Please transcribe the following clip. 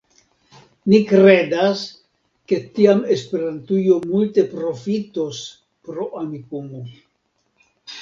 Ni kredas, ke tiam Esperantujo multe profitos pro Amikumu.